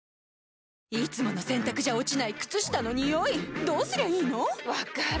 いつもの洗たくじゃ落ちない靴下のニオイどうすりゃいいの⁉分かる。